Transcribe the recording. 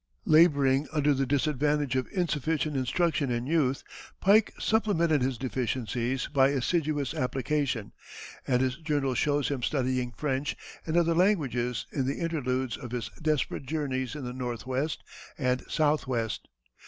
Laboring under the disadvantage of insufficient instruction in youth, Pike supplemented his deficiencies by assiduous application, and his journal shows him studying French and other languages in the interludes of his desperate journeys in the Northwest and Southwest.